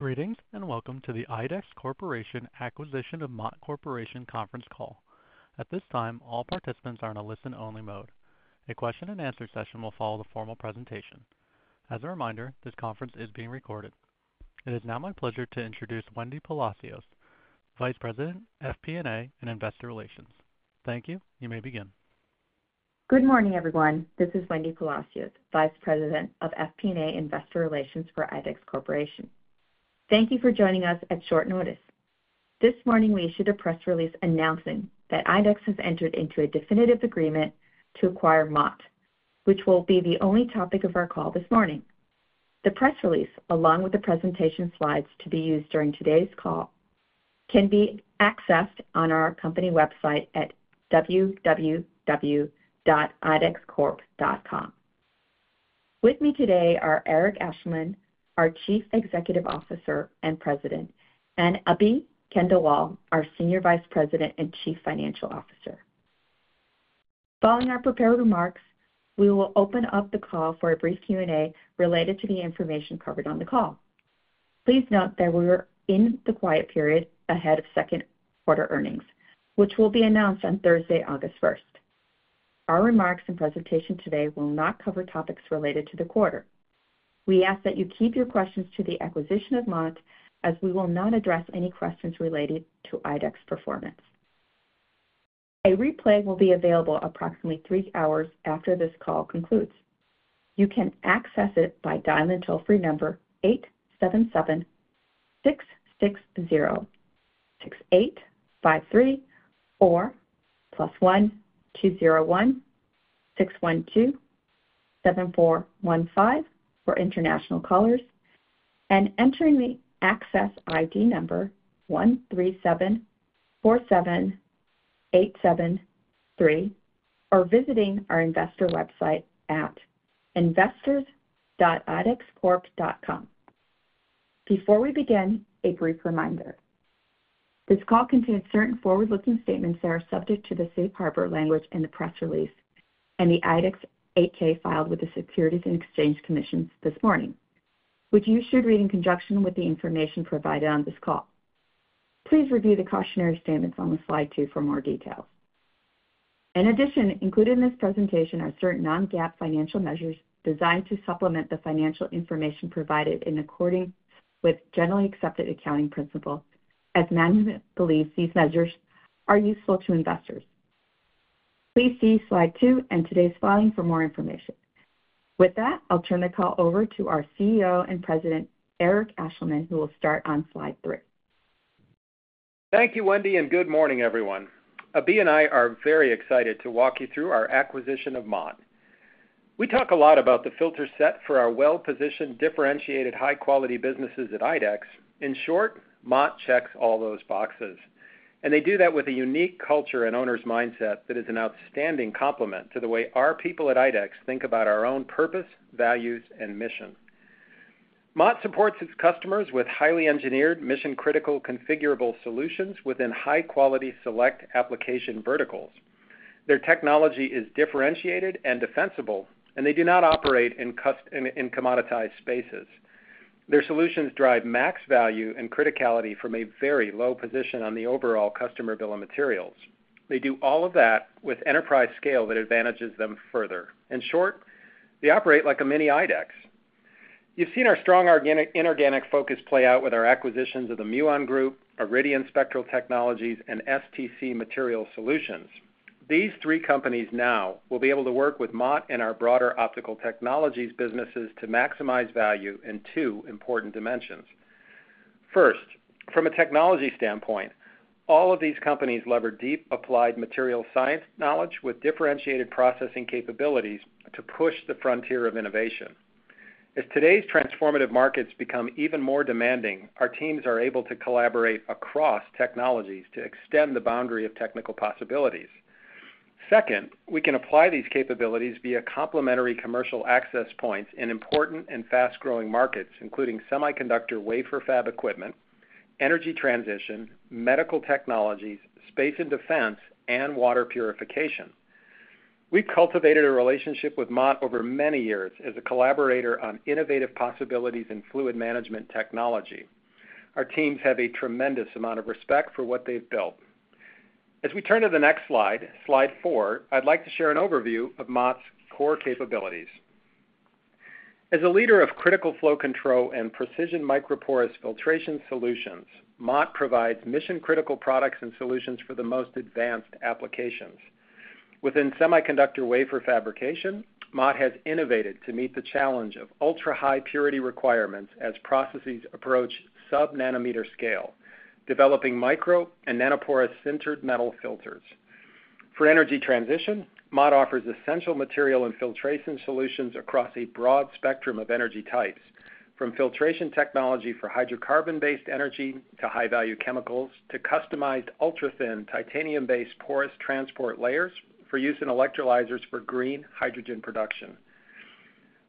Greetings and welcome to the IDEX Corporation Acquisition of Mott Corporation Conference call. At this time, all participants are in a listen-only mode. A question-and-answer session will follow the formal presentation. As a reminder, this conference is being recorded. It is now my pleasure to introduce Wendy Palacios, Vice President, FP&A, and Investor Relations. Thank you. You may begin. Good morning, everyone. This is Wendy Palacios, Vice President of FP&A Investor Relations for IDEX Corporation. Thank you for joining us at short notice. This morning, we issued a press release announcing that IDEX has entered into a definitive agreement to acquire Mott, which will be the only topic of our call this morning. The press release, along with the presentation slides to be used during today's call, can be accessed on our company website at www.idxcorp.com. With me today are Eric Ashleman, our Chief Executive Officer and President, and Abhi Khandelwal, our Senior Vice President and Chief Financial Officer. Following our prepared remarks, we will open up the call for a brief Q&A related to the information covered on the call. Please note that we are in the quiet period ahead of second-quarter earnings, which will be announced on Thursday, August 1st. Our remarks and presentation today will not cover topics related to the quarter. We ask that you keep your questions to the acquisition of Mott, as we will not address any questions related to IDEX performance. A replay will be available approximately 3 hours after this call concludes. You can access it by dialing toll-free number 877-660-6853 or +1-201-612-7415 for international callers, and entering the access ID number 137-47873, or visiting our investor website at investors.idexcorp.com. Before we begin, a brief reminder. This call contains certain forward-looking statements that are subject to the safe harbor language in the press release and the IDEX 8-K filed with the Securities and Exchange Commission this morning, which you should read in conjunction with the information provided on this call. Please review the cautionary statements on the slide two for more details. In addition, included in this presentation are certain non-GAAP financial measures designed to supplement the financial information provided in accordance with generally accepted accounting principles, as management believes these measures are useful to investors. Please see slide two and today's filing for more information. With that, I'll turn the call over to our CEO and President, Eric Ashleman, who will start on slide three. Thank you, Wendy, and good morning, everyone. Abhi and I are very excited to walk you through our acquisition of Mott. We talk a lot about the filter set for our well-positioned, differentiated, high-quality businesses at IDEX. In short, Mott checks all those boxes. They do that with a unique culture and owner's mindset that is an outstanding complement to the way our people at IDEX think about our own purpose, values, and mission. Mott supports its customers with highly engineered, mission-critical, configurable solutions within high-quality select application verticals. Their technology is differentiated and defensible, and they do not operate in commoditized spaces. Their solutions drive max value and criticality from a very low position on the overall customer bill of materials. They do all of that with enterprise scale that advantages them further. In short, they operate like a mini IDEX.You've seen our strong inorganic focus play out with our acquisitions of The Muon Group, Iridian Spectral Technologies, and STC Material Solutions. These three companies now will be able to work with Mott and our broader optical technologies businesses to maximize value in two important dimensions. First, from a technology standpoint, all of these companies leverage deep applied material science knowledge with differentiated processing capabilities to push the frontier of innovation. As today's transformative markets become even more demanding, our teams are able to collaborate across technologies to extend the boundary of technical possibilities. Second, we can apply these capabilities via complementary commercial access points in important and fast-growing markets, including semiconductor wafer fab equipment, energy transition, medical technologies, space and defense, and water purification. We've cultivated a relationship with Mott over many years as a collaborator on innovative possibilities in fluid management technology. Our teams have a tremendous amount of respect for what they've built. As we turn to the next slide, slide four, I'd like to share an overview of Mott's core capabilities. As a leader of critical flow control and precision microporous filtration solutions, Mott provides mission-critical products and solutions for the most advanced applications. Within semiconductor wafer fabrication, Mott has innovated to meet the challenge of ultra-high purity requirements as processes approach sub-nanometer scale, developing micro and nanoporous sintered metal filters. For energy transition, Mott offers essential material and filtration solutions across a broad spectrum of energy types, from filtration technology for hydrocarbon-based energy to high-value chemicals to customized ultra-thin titanium-based porous transport layers for use in electrolyzers for green hydrogen production.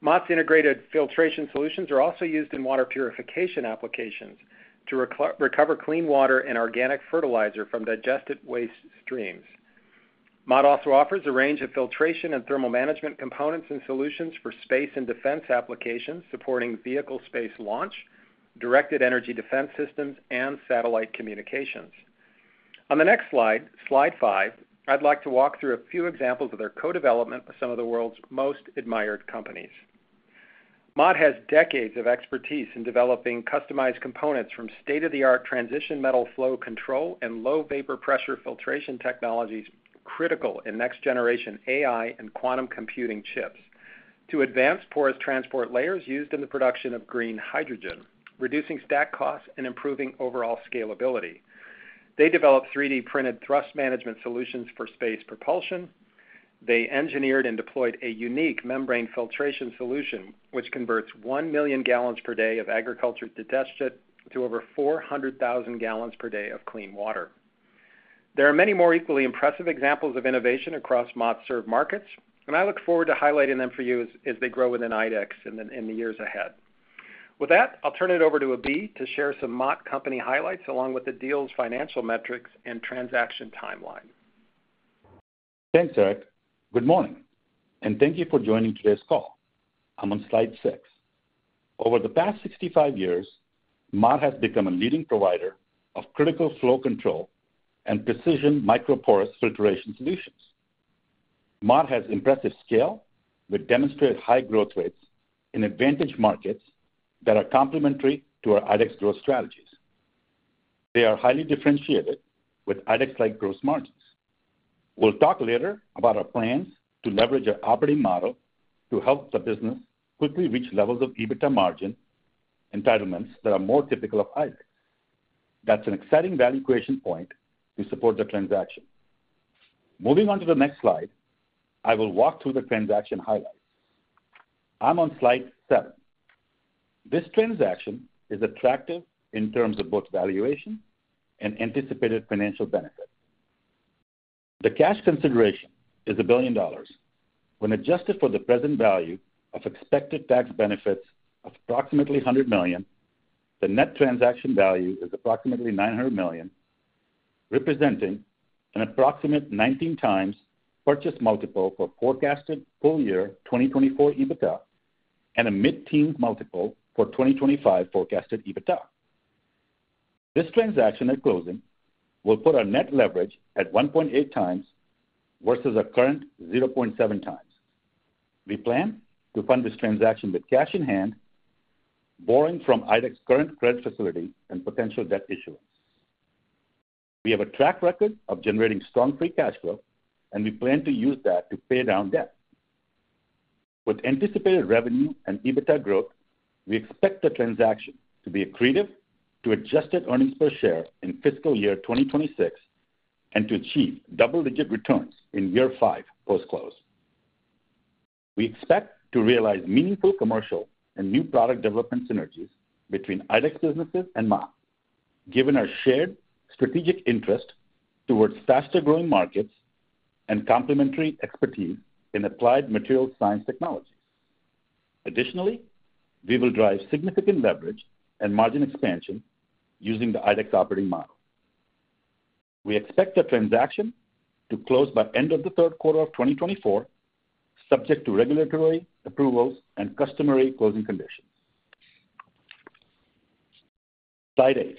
Mott's integrated filtration solutions are also used in water purification applications to recover clean water and organic fertilizer from digested waste streams. Mott also offers a range of filtration and thermal management components and solutions for space and defense applications supporting vehicle space launch, directed energy defense systems, and satellite communications. On the next slide, slide five, I'd like to walk through a few examples of their co-development with some of the world's most admired companies. Mott has decades of expertise in developing customized components from state-of-the-art transition metal flow control and low-vapor pressure filtration technologies critical in next-generation AI and quantum computing chips to advanced porous transport layers used in the production of green hydrogen, reducing stack costs and improving overall scalability. They developed 3D-printed thrust management solutions for space propulsion. They engineered and deployed a unique membrane filtration solution, which converts 1 million gallons per day of agriculture detachment to over 400,000 gallons per day of clean water. There are many more equally impressive examples of innovation across Mott's served markets, and I look forward to highlighting them for you as they grow within IDEX in the years ahead. With that, I'll turn it over to Abhi to share some Mott company highlights along with the deal's financial metrics and transaction timeline. Thanks, Eric. Good morning, and thank you for joining today's call. I'm on slide six. Over the past 65 years, Mott has become a leading provider of critical flow control and precision microporous filtration solutions. Mott has impressive scale, which demonstrates high growth rates in advantage markets that are complementary to our IDEX growth strategies. They are highly differentiated with IDEX-like gross margins. We'll talk later about our plans to leverage our operating model to help the business quickly reach levels of EBITDA margin entitlements that are more typical of IDEX. That's an exciting valuation point to support the transaction. Moving on to the next slide, I will walk through the transaction highlights. I'm on slide seven. This transaction is attractive in terms of both valuation and anticipated financial benefit. The cash consideration is $1 billion. When adjusted for the present value of expected tax benefits of approximately $100 million, the net transaction value is approximately $900 million, representing an approximate 19x purchase multiple for forecasted full year 2024 EBITDA and a mid-teens multiple for 2025 forecasted EBITDA. This transaction at closing will put our net leverage at 1.8x versus a current 0.7x. We plan to fund this transaction with cash in hand, borrowing from IDEX's current credit facility and potential debt issuance. We have a track record of generating strong free cash flow, and we plan to use that to pay down debt. With anticipated revenue and EBITDA growth, we expect the transaction to be accretive to adjusted earnings per share in fiscal year 2026 and to achieve double-digit returns in year five post-close. We expect to realize meaningful commercial and new product development synergies between IDEX businesses and Mott, given our shared strategic interest towards faster-growing markets and complementary expertise in applied material science technologies. Additionally, we will drive significant leverage and margin expansion using the IDEX operating model. We expect the transaction to close by the end of the third quarter of 2024, subject to regulatory approvals and customary closing conditions. Slide eight.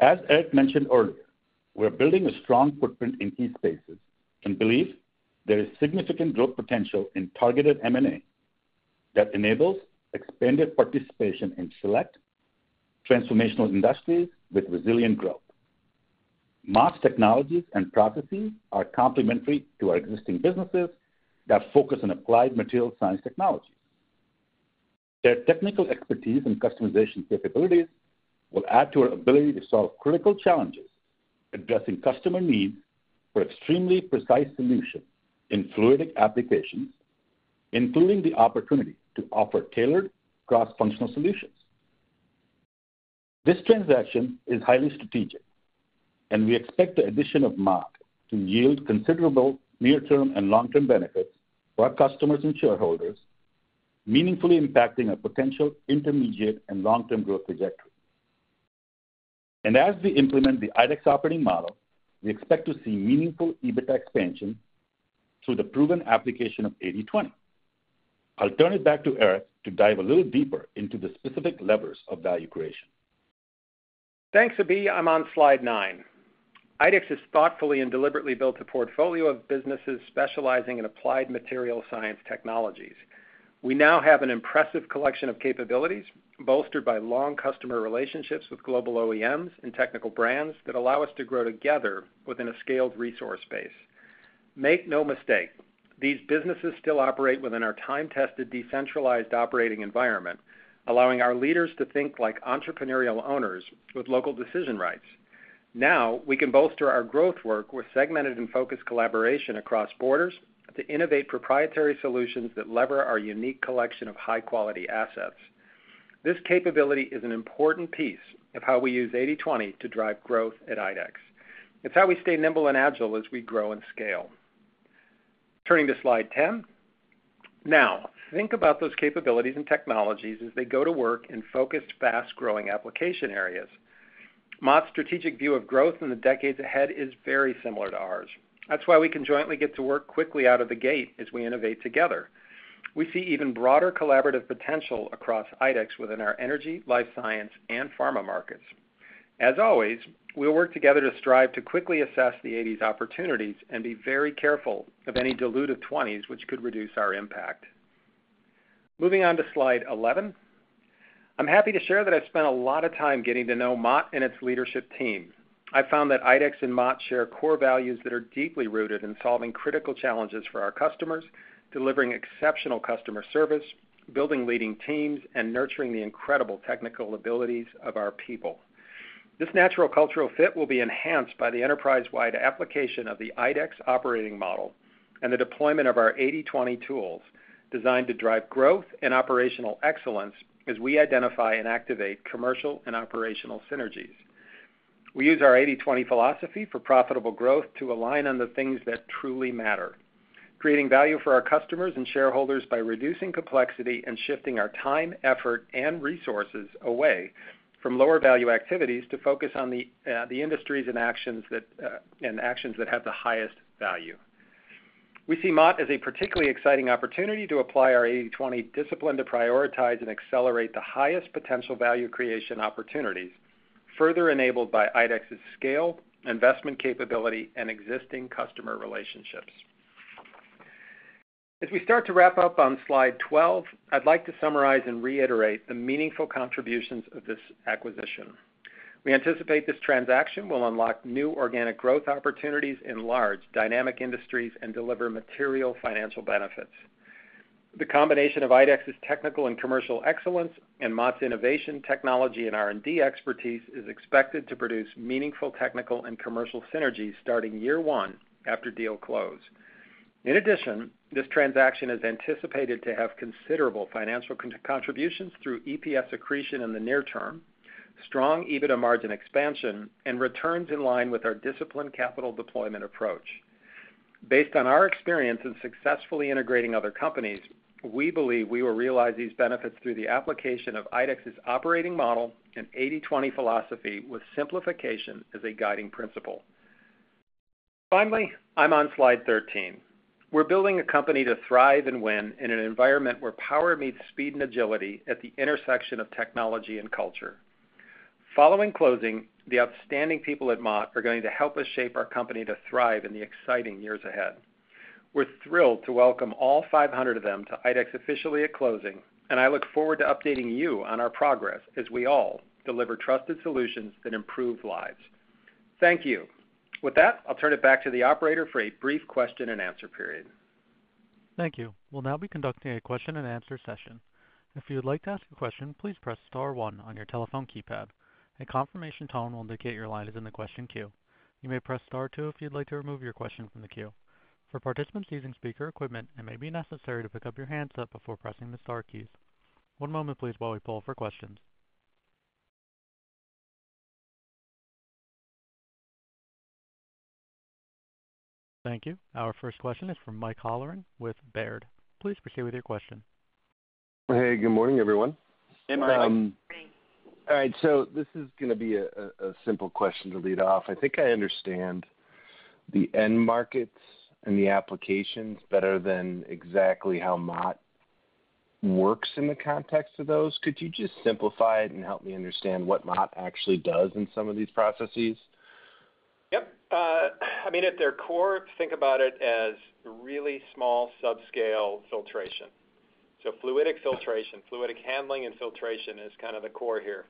As Eric mentioned earlier, we're building a strong footprint in key spaces and believe there is significant growth potential in targeted M&A that enables expanded participation in select transformational industries with resilient growth. Mott's technologies and processes are complementary to our existing businesses that focus on applied material science technologies. Their technical expertise and customization capabilities will add to our ability to solve critical challenges, addressing customer needs for extremely precise solutions in fluidic applications, including the opportunity to offer tailored cross-functional solutions. This transaction is highly strategic, and we expect the addition of Mott to yield considerable near-term and long-term benefits for our customers and shareholders, meaningfully impacting our potential intermediate and long-term growth trajectory. As we implement the IDEX operating model, we expect to see meaningful EBITDA expansion through the proven application of 80/20. I'll turn it back to Eric to dive a little deeper into the specific levers of value creation. Thanks, Abhi. I'm on slide nine. IDEX has thoughtfully and deliberately built a portfolio of businesses specializing in applied material science technologies. We now have an impressive collection of capabilities bolstered by long customer relationships with global OEMs and technical brands that allow us to grow together within a scaled resource base. Make no mistake, these businesses still operate within our time-tested decentralized operating environment, allowing our leaders to think like entrepreneurial owners with local decision rights. Now we can bolster our growth work with segmented and focused collaboration across borders to innovate proprietary solutions that leverage our unique collection of high-quality assets. This capability is an important piece of how we use 80/20 to drive growth at IDEX. It's how we stay nimble and agile as we grow and scale. Turning to slide 10. Now, think about those capabilities and technologies as they go to work in focused, fast-growing application areas. Mott's strategic view of growth in the decades ahead is very similar to ours. That's why we can jointly get to work quickly out of the gate as we innovate together. We see even broader collaborative potential across IDEX within our energy, life science, and pharma markets. As always, we'll work together to strive to quickly assess the 80's opportunities and be very careful of any diluted 20's, which could reduce our impact. Moving on to slide 11. I'm happy to share that I've spent a lot of time getting to know Mott and its leadership team. I found that IDEX and Mott share core values that are deeply rooted in solving critical challenges for our customers, delivering exceptional customer service, building leading teams, and nurturing the incredible technical abilities of our people. This natural cultural fit will be enhanced by the enterprise-wide application of the IDEX operating model and the deployment of our 80/20 tools designed to drive growth and operational excellence as we identify and activate commercial and operational synergies. We use our 80/20 philosophy for profitable growth to align on the things that truly matter, creating value for our customers and shareholders by reducing complexity and shifting our time, effort, and resources away from lower-value activities to focus on the industries and actions that have the highest value. We see Mott as a particularly exciting opportunity to apply our 80/20 discipline to prioritize and accelerate the highest potential value creation opportunities, further enabled by IDEX's scale, investment capability, and existing customer relationships. As we start to wrap up on slide 12, I'd like to summarize and reiterate the meaningful contributions of this acquisition. We anticipate this transaction will unlock new organic growth opportunities in large, dynamic industries and deliver material financial benefits. The combination of IDEX's technical and commercial excellence and Mott's innovation, technology, and R&D expertise is expected to produce meaningful technical and commercial synergies starting year one after deal close. In addition, this transaction is anticipated to have considerable financial contributions through EPS accretion in the near term, strong EBITDA margin expansion, and returns in line with our disciplined capital deployment approach. Based on our experience in successfully integrating other companies, we believe we will realize these benefits through the application of IDEX's operating model and 80/20 philosophy with simplification as a guiding principle. Finally, I'm on slide 13. We're building a company to thrive and win in an environment where power meets speed and agility at the intersection of technology and culture. Following closing, the outstanding people at Mott are going to help us shape our company to thrive in the exciting years ahead. We're thrilled to welcome all 500 of them to IDEX officially at closing, and I look forward to updating you on our progress as we all deliver trusted solutions that improve lives. Thank you. With that, I'll turn it back to the operator for a brief question and answer period. Thank you. We'll now be conducting a question and answer session. If you would like to ask a question, please press star one on your telephone keypad. A confirmation tone will indicate your line is in the question queue. You may press star two if you'd like to remove your question from the queue. For participants using speaker equipment, it may be necessary to pick up your handset before pressing the star keys. One moment, please, while we poll for questions. Thank you. Our first question is from Mike Halloran with Baird. Please proceed with your question. Hey, good morning, everyone. Hey, Mike. Good morning. Morning. All right. This is going to be a simple question to lead off. I think I understand the end markets and the applications better than exactly how Mott works in the context of those. Could you just simplify it and help me understand what Mott actually does in some of these processes? Yep. I mean, at their core, think about it as really small subscale filtration. Fluidic filtration, fluidic handling, and filtration is kind of the core here.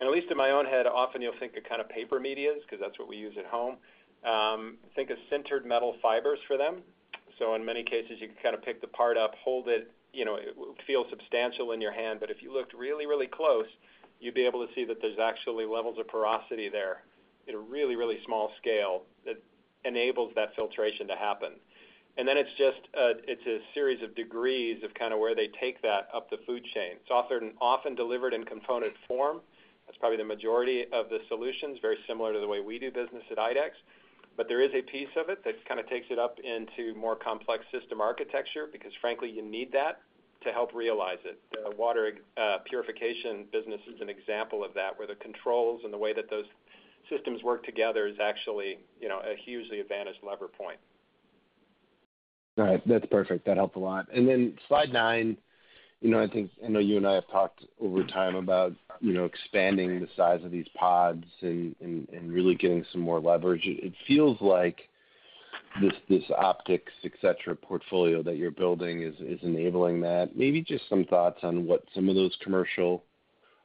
At least in my own head, often you'll think of kind of paper media because that's what we use at home. Think of sintered metal fibers for them. In many cases, you could kind of pick the part up, hold it, feel substantial in your hand, but if you looked really, really close, you'd be able to see that there's actually levels of porosity there at a really, really small scale that enables that filtration to happen. Then it's just a series of degrees of kind of where they take that up the food chain. It's often delivered in component form. That's probably the majority of the solutions, very similar to the way we do business at IDEX.But there is a piece of it that kind of takes it up into more complex system architecture because, frankly, you need that to help realize it. The water purification business is an example of that, where the controls and the way that those systems work together is actually a hugely advantaged lever point. All right. That's perfect. That helped a lot. And then slide nine, I think I know you and I have talked over time about expanding the size of these pods and really getting some more leverage. It feels like this Optics, etc., portfolio that you're building is enabling that. Maybe just some thoughts on what some of those commercial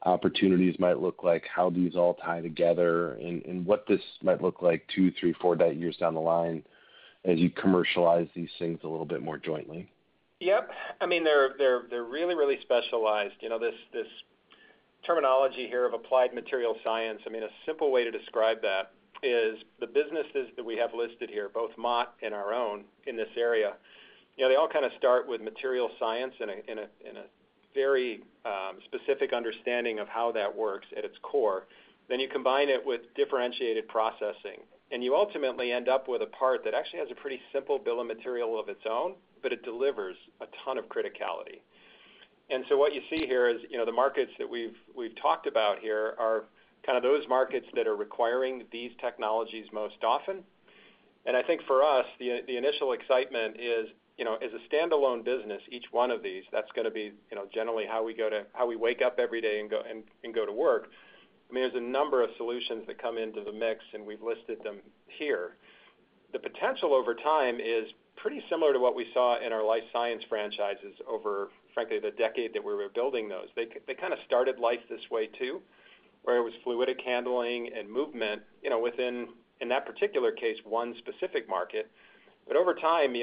opportunities might look like, how these all tie together, and what this might look like two, three, four years down the line as you commercialize these things a little bit more jointly. Yep. I mean, they're really, really specialized. This terminology here of applied material science, I mean, a simple way to describe that is the businesses that we have listed here, both Mott and our own in this area, they all kind of start with material science and a very specific understanding of how that works at its core. Then you combine it with differentiated processing, and you ultimately end up with a part that actually has a pretty simple bill of material of its own, but it delivers a ton of criticality. And so what you see here is the markets that we've talked about here are kind of those markets that are requiring these technologies most often. And I think for us, the initial excitement is, as a standalone business, each one of these, that's going to be generally how we wake up every day and go to work.I mean, there's a number of solutions that come into the mix, and we've listed them here. The potential over time is pretty similar to what we saw in our life science franchises over, frankly, the decade that we were building those. They kind of started life this way too, where it was fluidic handling and movement within, in that particular case, one specific market. But over time,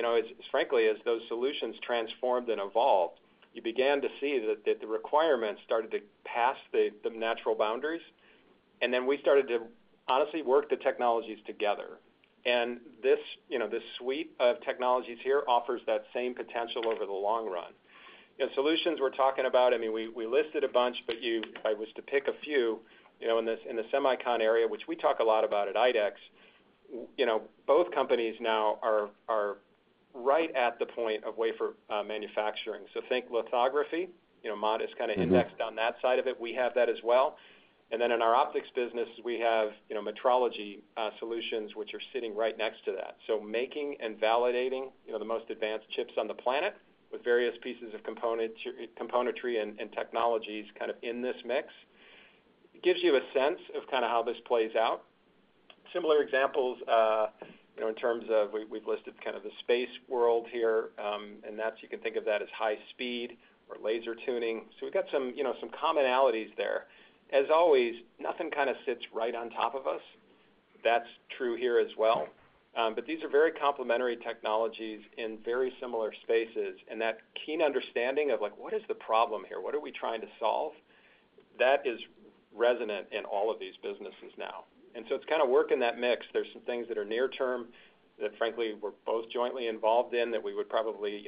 frankly, as those solutions transformed and evolved, you began to see that the requirements started to pass the natural boundaries. And then we started to honestly work the technologies together. And this suite of technologies here offers that same potential over the long run. Solutions we're talking about, I mean, we listed a bunch, but if I was to pick a few in the semicon area, which we talk a lot about at IDEX, both companies now are right at the point of wafer manufacturing. So think lithography. Mott is kind of indexed on that side of it. We have that as well. And then in our optics business, we have metrology solutions, which are sitting right next to that. So making and validating the most advanced chips on the planet with various pieces of componentry and technologies kind of in this mix gives you a sense of kind of how this plays out. Similar examples in terms of we've listed kind of the space world here, and you can think of that as high speed or laser tuning. So we've got some commonalities there. As always, nothing kind of sits right on top of us. That's true here as well. But these are very complementary technologies in very similar spaces. And that keen understanding of, like, what is the problem here? What are we trying to solve? That is resonant in all of these businesses now. And so it's kind of work in that mix. There's some things that are near term that, frankly, we're both jointly involved in that we would probably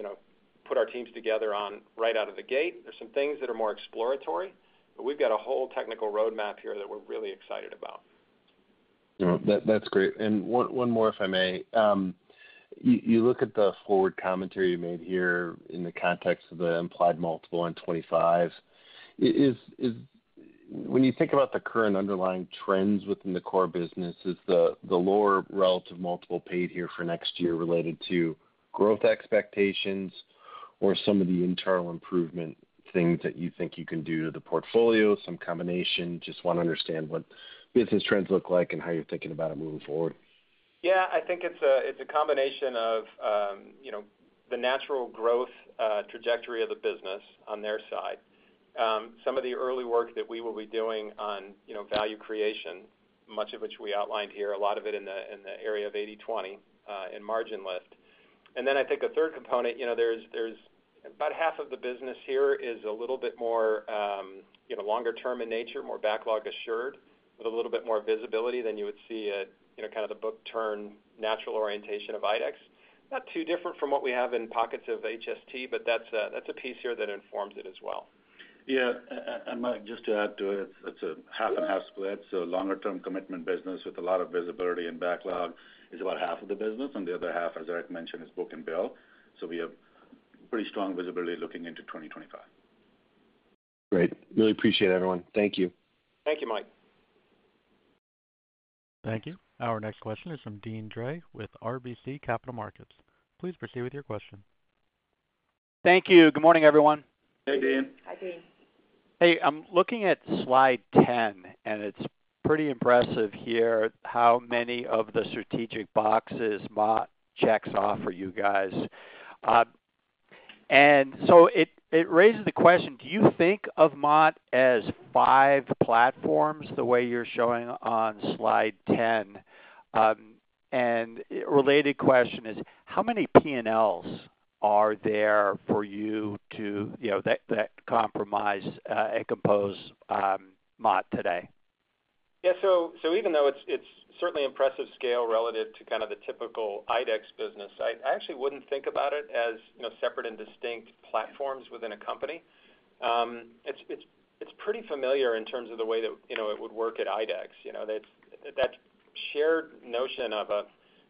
put our teams together on right out of the gate. There's some things that are more exploratory, but we've got a whole technical roadmap here that we're really excited about. That's great. And one more, if I may. You look at the forward commentary you made here in the context of the implied multiple and 25. When you think about the current underlying trends within the core business, is the lower relative multiple paid here for next year related to growth expectations or some of the internal improvement things that you think you can do to the portfolio, some combination? Just want to understand what business trends look like and how you're thinking about it moving forward. Yeah. I think it's a combination of the natural growth trajectory of the business on their side. Some of the early work that we will be doing on value creation, much of which we outlined here, a lot of it in the area of 80/20 and margin lift. And then I think a third component, there's about half of the business here is a little bit more longer term in nature, more backlog assured, with a little bit more visibility than you would see at kind of the book turn natural orientation of IDEX. Not too different from what we have in pockets of HST, but that's a piece here that informs it as well. Yeah. And Mike, just to add to it, it's a 50/50 split. So longer term commitment business with a lot of visibility and backlog is about half of the business, and the other half, as Eric mentioned, is book-and-bill. So we have pretty strong visibility looking into 2025. Great. Really appreciate it, everyone. Thank you. Thank you, Mike. Thank you. Our next question is from Deane Dray with RBC Capital Markets. Please proceed with your question. Thank you. Good morning, everyone. Hey, Dean. Hi, Dean. Hey. I'm looking at slide 10, and it's pretty impressive here how many of the strategic boxes Mott checks off for you guys. And so it raises the question, do you think of Mott as five platforms the way you're showing on slide 10? And a related question is, how many P&Ls are there that comprise and compose Mott today? Yeah. So even though it's certainly impressive scale relative to kind of the typical IDEX business, I actually wouldn't think about it as separate and distinct platforms within a company. It's pretty familiar in terms of the way that it would work at IDEX. That shared notion of a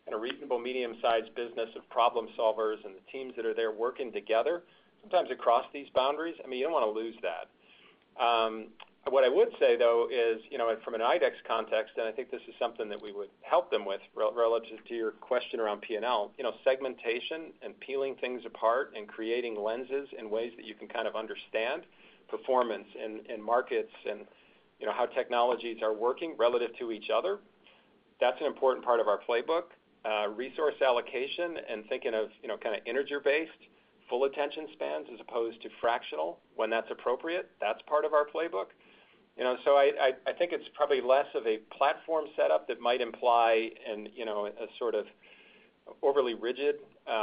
kind of reasonable medium-sized business of problem solvers and the teams that are there working together, sometimes across these boundaries, I mean, you don't want to lose that. What I would say, though, is from an IDEX context, and I think this is something that we would help them with relative to your question around P&L, segmentation and peeling things apart and creating lenses and ways that you can kind of understand performance in markets and how technologies are working relative to each other. That's an important part of our playbook. Resource allocation and thinking of kind of energy-based full attention spans as opposed to fractional when that's appropriate, that's part of our playbook. So I think it's probably less of a platform setup that might imply a sort of overly rigid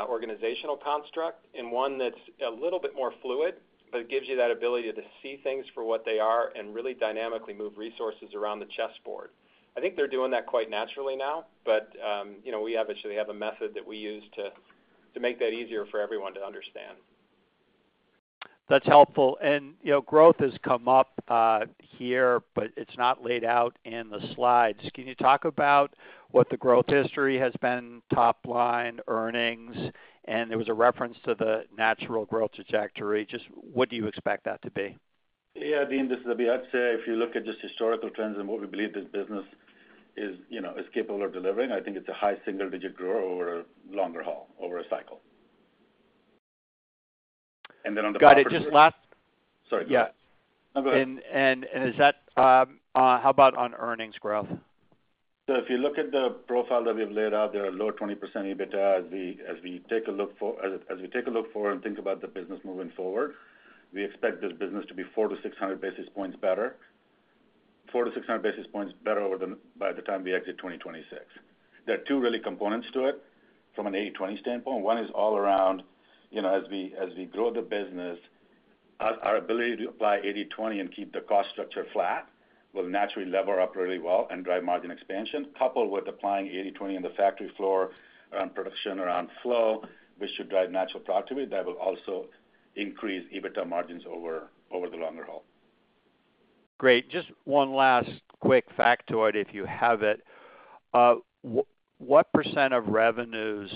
organizational construct and one that's a little bit more fluid, but it gives you that ability to see things for what they are and really dynamically move resources around the chessboard. I think they're doing that quite naturally now, but we actually have a method that we use to make that easier for everyone to understand. That's helpful. And growth has come up here, but it's not laid out in the slides. Can you talk about what the growth history has been, top line, earnings? And there was a reference to the natural growth trajectory. Just what do you expect that to be? Yeah, Deane, this is Abhi. I'd say if you look at just historical trends and what we believe this business is capable of delivering, I think it's a high single-digit grower over a longer haul, over a cycle. And then on the. Got it. Just last. Sorry. Go ahead. Yeah. No, go ahead. How about on earnings growth? So if you look at the profile that we've laid out, there are low 20% EBITDA as we take a look for and think about the business moving forward, we expect this business to be 400-600 basis points better by the time we exit 2026. There are two key components to it from an 80/20 standpoint. One is all around, as we grow the business, our ability to apply 80/20 and keep the cost structure flat will naturally lever up really well and drive margin expansion. Coupled with applying 80/20 on the factory floor around production, around flow, which should drive natural productivity, that will also increase EBITDA margins over the longer haul. Great. Just one last quick factoid, if you have it. What % of revenues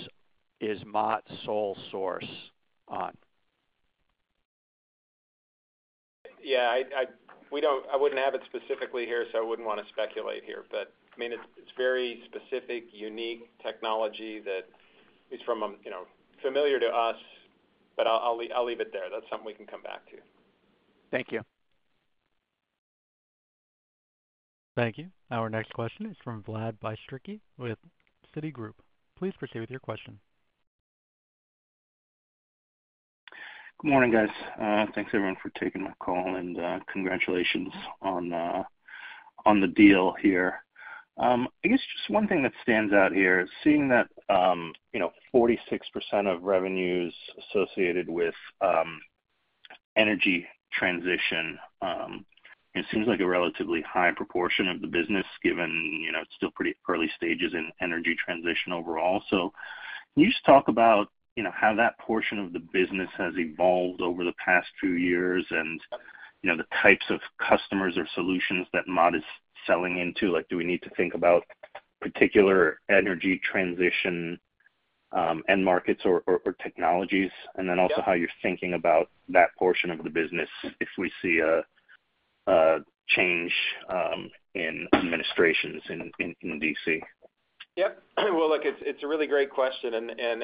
is Mott's sole source on? Yeah. I wouldn't have it specifically here, so I wouldn't want to speculate here. But I mean, it's very specific, unique technology that is familiar to us, but I'll leave it there. That's something we can come back to. Thank you. Thank you. Our next question is from Vlad Bystricky with Citigroup. Please proceed with your question. Good morning, guys. Thanks, everyone, for taking my call and congratulations on the deal here. I guess just one thing that stands out here is seeing that 46% of revenues associated with energy transition seems like a relatively high proportion of the business, given it's still pretty early stages in energy transition overall. So can you just talk about how that portion of the business has evolved over the past few years and the types of customers or solutions that Mott is selling into? Do we need to think about particular energy transition end markets or technologies? And then also how you're thinking about that portion of the business if we see a change in administrations in D.C. Yep. Well, look, it's a really great question, and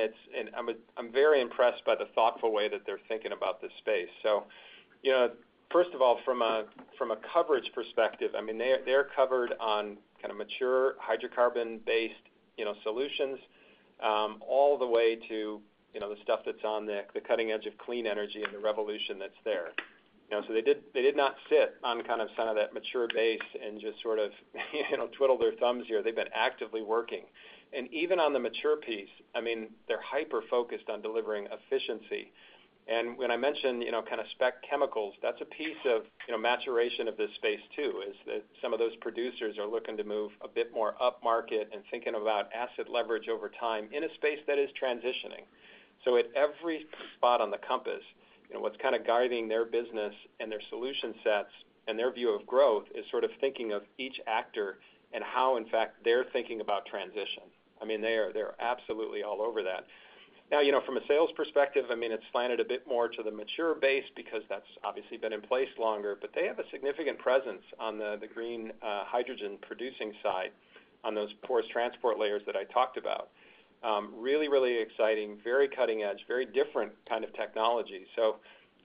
I'm very impressed by the thoughtful way that they're thinking about this space. So first of all, from a coverage perspective, I mean, they're covered on kind of mature hydrocarbon-based solutions all the way to the stuff that's on the cutting edge of clean energy and the revolution that's there. So they did not sit on kind of some of that mature base and just sort of twiddle their thumbs here. They've been actively working. And even on the mature piece, I mean, they're hyper-focused on delivering efficiency. And when I mentioned kind of spec chemicals, that's a piece of maturation of this space too, is that some of those producers are looking to move a bit more up market and thinking about asset leverage over time in a space that is transitioning. So at every spot on the compass, what's kind of guiding their business and their solution sets and their view of growth is sort of thinking of each actor and how, in fact, they're thinking about transition. I mean, they're absolutely all over that. Now, from a sales perspective, I mean, it's slanted a bit more to the mature base because that's obviously been in place longer, but they have a significant presence on the green hydrogen producing side on those porous transport layers that I talked about. Really, really exciting, very cutting edge, very different kind of technology. So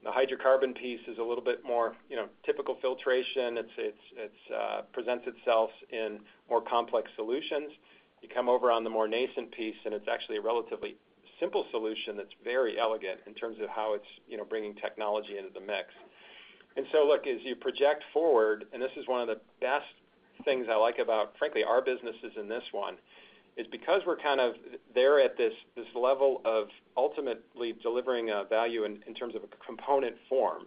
the hydrocarbon piece is a little bit more typical filtration. It presents itself in more complex solutions. You come over on the more nascent piece, and it's actually a relatively simple solution that's very elegant in terms of how it's bringing technology into the mix. And so, look, as you project forward, and this is one of the best things I like about, frankly, our businesses in this one, is because we're kind of there at this level of ultimately delivering value in terms of a component form,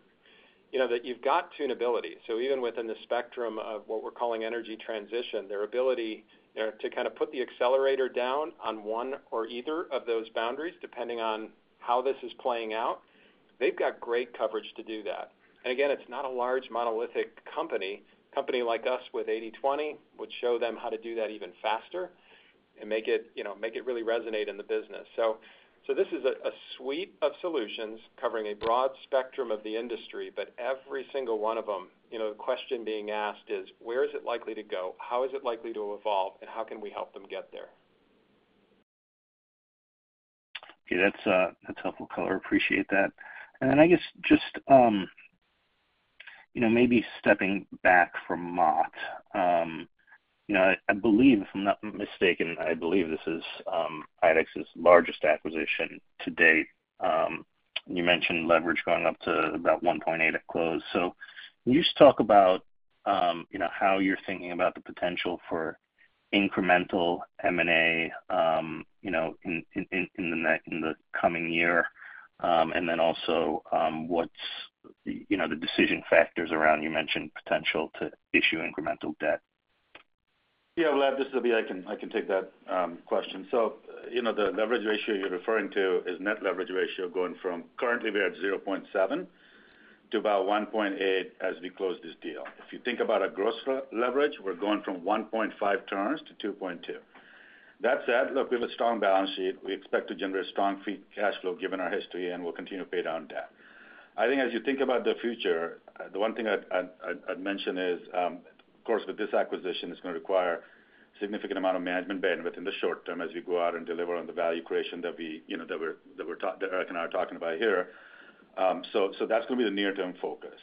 that you've got tunability. So even within the spectrum of what we're calling energy transition, their ability to kind of put the accelerator down on one or either of those boundaries, depending on how this is playing out, they've got great coverage to do that. And again, it's not a large monolithic company. A company like us with 80/20 would show them how to do that even faster and make it really resonate in the business. So this is a suite of solutions covering a broad spectrum of the industry, but every single one of them, the question being asked is, where is it likely to go? How is it likely to evolve? And how can we help them get there? Okay. That's helpful. I appreciate that. And then I guess just maybe stepping back from Mott, I believe, if I'm not mistaken, I believe this is IDEX's largest acquisition to date. You mentioned leverage going up to about 1.8 at close. So can you just talk about how you're thinking about the potential for incremental M&A in the coming year? And then also what's the decision factors around you mentioned potential to issue incremental debt? Yeah, Vlad, this is Abhi. I can take that question. So the leverage ratio you're referring to is net leverage ratio going from currently we're at 0.7 to about 1.8 as we close this deal. If you think about our gross leverage, we're going from 1.5 turns to 2.2. That said, look, we have a strong balance sheet. We expect to generate strong cash flow given our history, and we'll continue to pay down debt. I think as you think about the future, the one thing I'd mention is, of course, with this acquisition, it's going to require a significant amount of management bandwidth in the short term as we go out and deliver on the value creation that Eric and I are talking about here. So that's going to be the near-term focus.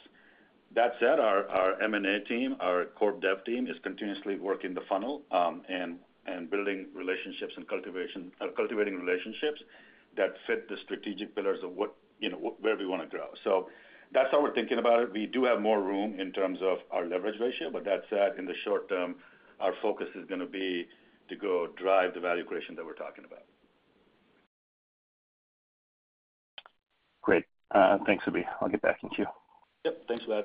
That said, our M&A team, our corp dev team is continuously working the funnel and building relationships and cultivating relationships that fit the strategic pillars of where we want to grow. So that's how we're thinking about it. We do have more room in terms of our leverage ratio, but that said, in the short term, our focus is going to be to go drive the value creation that we're talking about. Great. Thanks, Abhi. I'll get back to you. Yep. Thanks, Vlad.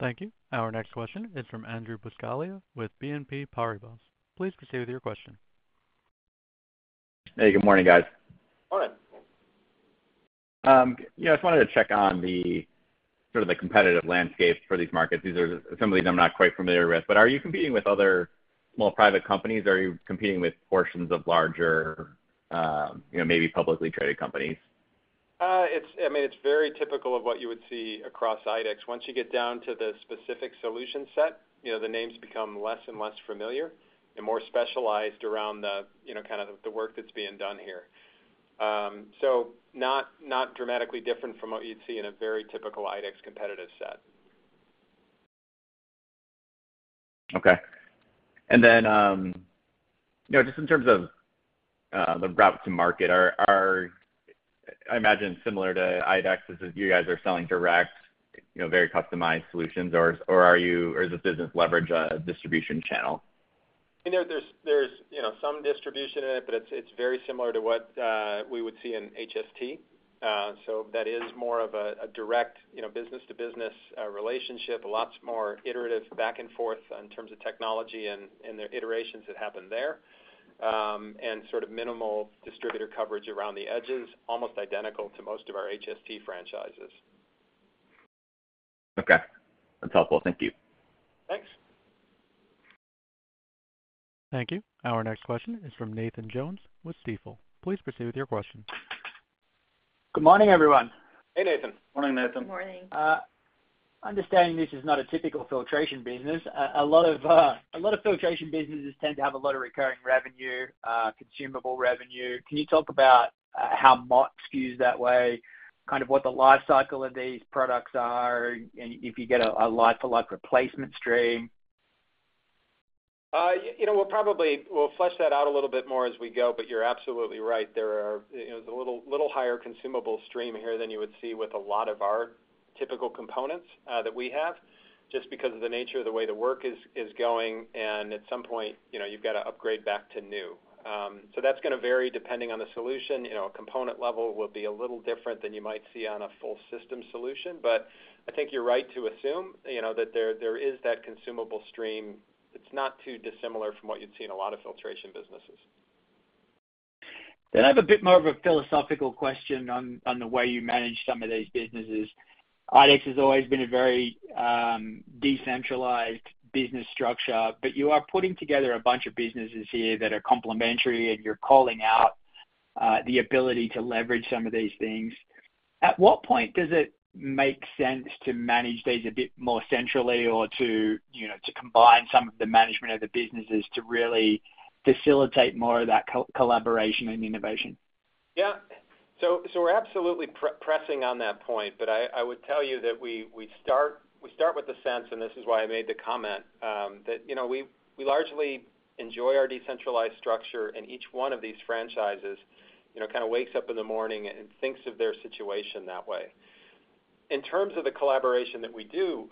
Thank you. Our next question is from Andrew Buscaglia with BNP Paribas. Please proceed with your question. Hey, good morning, guys. All right. I just wanted to check on sort of the competitive landscape for these markets. These are some of these I'm not quite familiar with. But are you competing with other small private companies? Are you competing with portions of larger, maybe publicly traded companies? I mean, it's very typical of what you would see across IDEX. Once you get down to the specific solution set, the names become less and less familiar and more specialized around kind of the work that's being done here. So not dramatically different from what you'd see in a very typical IDEX competitive set. Okay. And then just in terms of the route to market, I imagine similar to IDEX is that you guys are selling direct, very customized solutions, or is the business leverage a distribution channel? I mean, there's some distribution in it, but it's very similar to what we would see in HST. That is more of a direct business-to-business relationship, lots more iterative back and forth in terms of technology and the iterations that happen there, and sort of minimal distributor coverage around the edges, almost identical to most of our HST franchises. Okay. That's helpful. Thank you. Thanks. Thank you. Our next question is from Nathan Jones with Stifel. Please proceed with your question. Good morning, everyone. Hey, Nathan. Morning, Nathan. Good morning. Understanding this is not a typical filtration business. A lot of filtration businesses tend to have a lot of recurring revenue, consumable revenue. Can you talk about how Mott skews that way, kind of what the life cycle of these products are, and if you get a life-to-life replacement stream? We'll flesh that out a little bit more as we go, but you're absolutely right. There is a little higher consumable stream here than you would see with a lot of our typical components that we have just because of the nature of the way the work is going. And at some point, you've got to upgrade back to new. So that's going to vary depending on the solution. A component level will be a little different than you might see on a full system solution. But I think you're right to assume that there is that consumable stream. It's not too dissimilar from what you'd see in a lot of filtration businesses. I have a bit more of a philosophical question on the way you manage some of these businesses. IDEX has always been a very decentralized business structure, but you are putting together a bunch of businesses here that are complementary, and you're calling out the ability to leverage some of these things. At what point does it make sense to manage these a bit more centrally or to combine some of the management of the businesses to really facilitate more of that collaboration and innovation? Yeah. So we're absolutely pressing on that point, but I would tell you that we start with the sense, and this is why I made the comment, that we largely enjoy our decentralized structure, and each one of these franchises kind of wakes up in the morning and thinks of their situation that way. In terms of the collaboration that we do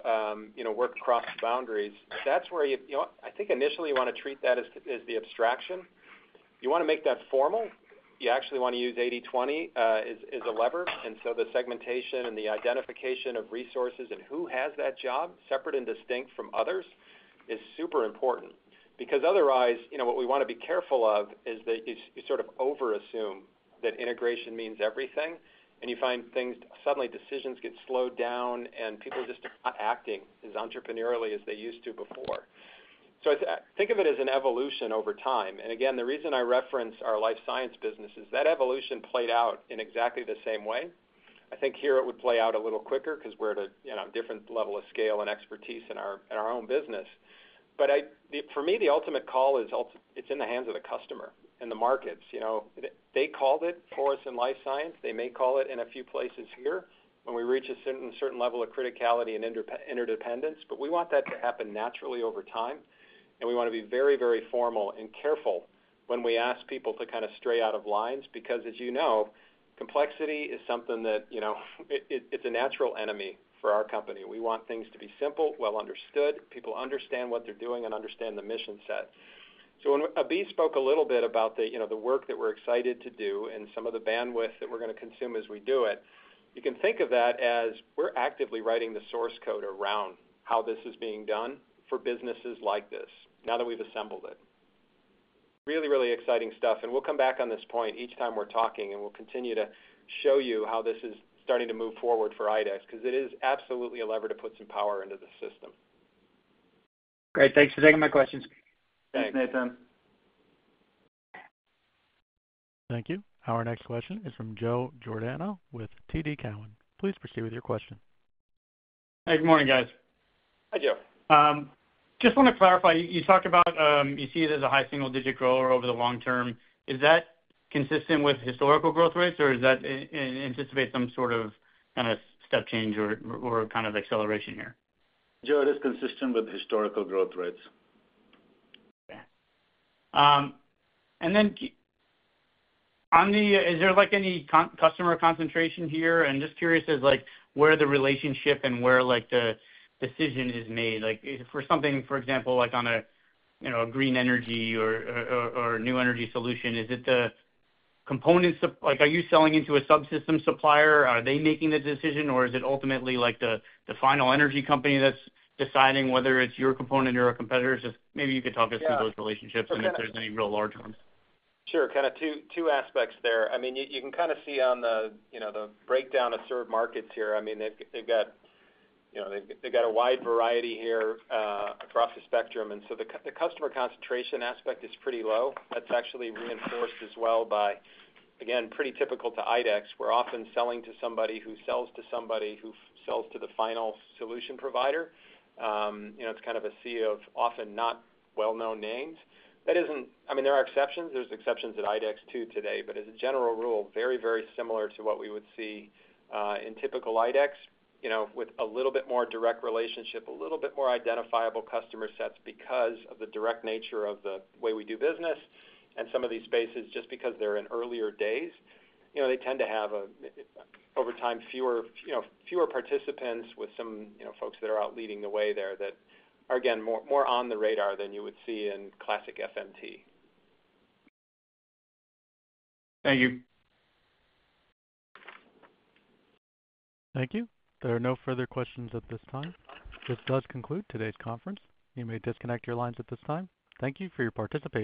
work across boundaries, that's where I think initially you want to treat that as the abstraction. You want to make that formal. You actually want to use 80/20 as a lever. And so the segmentation and the identification of resources and who has that job separate and distinct from others is super important because otherwise what we want to be careful of is that you sort of over-assume that integration means everything, and you find things suddenly decisions get slowed down, and people just are not acting as entrepreneurially as they used to before. So think of it as an evolution over time. And again, the reason I reference our life science business is that evolution played out in exactly the same way. I think here it would play out a little quicker because we're at a different level of scale and expertise in our own business. But for me, the ultimate call is it's in the hands of the customer and the markets. They called it for us in life science. They may call it in a few places here when we reach a certain level of criticality and interdependence, but we want that to happen naturally over time. And we want to be very, very formal and careful when we ask people to kind of stray out of lines because, as you know, complexity is something that it's a natural enemy for our company. We want things to be simple, well-understood. People understand what they're doing and understand the mission set. So when Abhi spoke a little bit about the work that we're excited to do and some of the bandwidth that we're going to consume as we do it, you can think of that as we're actively writing the source code around how this is being done for businesses like this now that we've assembled it. Really, really exciting stuff. We'll come back on this point each time we're talking, and we'll continue to show you how this is starting to move forward for IDEX because it is absolutely a lever to put some power into the system. Great. Thanks for taking my questions. Thanks, Nathan. Thank you. Our next question is from Joe Giordano with TD Cowen. Please proceed with your question. Hey, good morning, guys. Hi, Joe. Just want to clarify. You talked about you see it as a high single-digit grower over the long term. Is that consistent with historical growth rates, or does that anticipate some sort of kind of step change or kind of acceleration here? Joe, it is consistent with historical growth rates. Okay. And then is there any customer concentration here? And just curious as where the relationship and where the decision is made. For something, for example, like on a green energy or new energy solution, is it the components? Are you selling into a subsystem supplier? Are they making the decision? Or is it ultimately the final energy company that's deciding whether it's your component or a competitor's? Just maybe you could talk us through those relationships and if there's any real large ones. Sure. Kind of two aspects there. I mean, you can kind of see on the breakdown of end markets here. I mean, they've got a wide variety here across the spectrum. And so the customer concentration aspect is pretty low. That's actually reinforced as well by, again, pretty typical to IDEX. We're often selling to somebody who sells to somebody who sells to the final solution provider. It's kind of a sea of often not well-known names. I mean, there are exceptions. There's exceptions at IDEX too today. But as a general rule, very, very similar to what we would see in typical IDEX with a little bit more direct relationship, a little bit more identifiable customer sets because of the direct nature of the way we do business. Some of these spaces, just because they're in earlier days, they tend to have over time fewer participants with some folks that are out leading the way there that are, again, more on the radar than you would see in classic FMT. Thank you. Thank you. There are no further questions at this time. This does conclude today's conference. You may disconnect your lines at this time. Thank you for your participation.